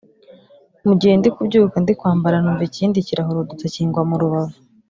mu gihe ndi kubyuka ndi kwambara numva ikindi kirahurudutse kingwa mu rubavu